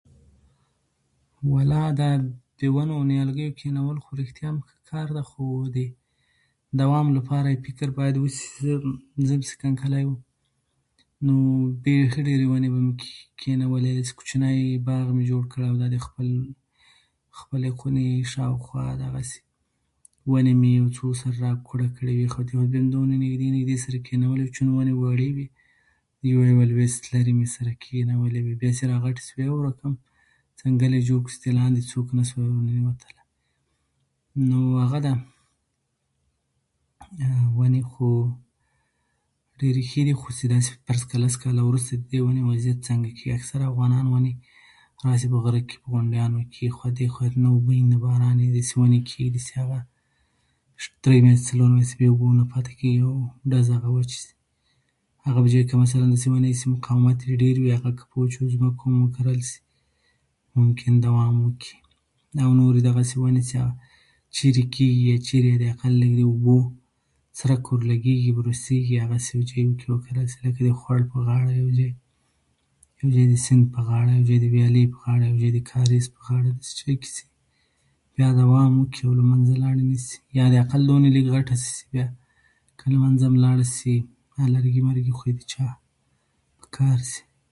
ولا، د ونو او نیالګيو کېنول خو ریښتیا هم ښه کار ده، خو د دوام لپاره یې باید فکر باید وشي. زه به چې کله کلی وم، بيخي ډېرې ونې به مې کېنولې. داسې کوچنی باغ مې جوړ کړی و د خپلې خونې شاوخوا، دغسې داسې ونې مې یو څو سره کوړه کړې وې. زیاتې دومره نږدې نږدې سره کېنولې وې، چون ونې وړې وې، یوه یوه لوېشت لیرې مې سره کېنولې. بیا چې را غټې شوې، یو رقم ځنګل یې جوړ کړ، چې لاندې څوک نشوای ورننوتلای. نو اغه ده، ونې خو ډېرې ښې دي، خو چې داسې فرض کړه چې لس کاله وروسته به دې ونې وضعیت څنګه کېږي؟ اکثره افغانان ونې په هسې، په غره کې، په غونډیانو کې، اېخوا دېخوا، نو اوبه وي نه باران وي. داسې ونې کېږدي چې درې میاشتې، څلور میاشتې بې اوبو نه پاتې کېږي، او ډز، هغه وچې شي. هغه په ځایو کې مثلا داسې ونې وي چې مقاومت یې ډېر وي، هغه که په وچو ځمکو هم وکرل شي، ممکن دوام وکړي. او نورې دغسې ونې چې چېرې کېږي، یا چېرې حداقل لږ د اوبو څرک ورلګېږي، ورسېږي، هغسې ځایو کې، لکه د خوړ په غاړه یو ځای، يو ځای د سیند په غاړه، یوځای د ویالې په غاړه، یو ځای د کاریز په غاړه، داسې يوځای کې چې بیا دوام وکړي او له منځه لاړ نه شي، یا حداقل دومره لږ غټه شي چې که له منځه هم لاړه شي، لرګي یې د چا پکار شي.